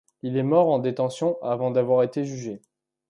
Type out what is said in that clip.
Il est mort en détention avant d'avoir été jugé.